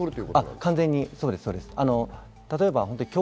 完全にそうです。